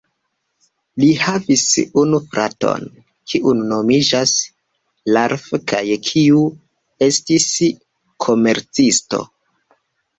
Li havis unu fraton, kiu nomiĝis Ralph kaj kiu estis komercisto.